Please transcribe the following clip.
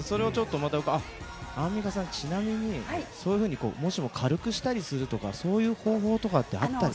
アンミカさん、ちなみに、そういうふうに、もしも軽くしたりするとか、そういう方法とかってあったりします？